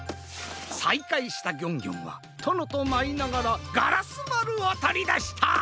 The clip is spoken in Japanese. さいかいしたギョンギョンはとのとまいながらガラスまるをとりだした！